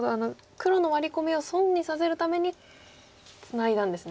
黒のワリコミを損にさせるためにツナいんだんですね。